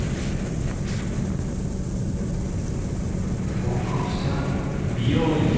交換してないや。